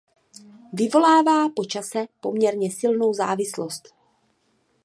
Vyvolává po čase poměrně silnou závislost.